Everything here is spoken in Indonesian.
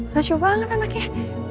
lucu banget anaknya